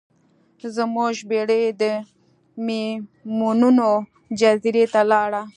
زموږ بیړۍ د میمونونو جزیرې ته لاړه.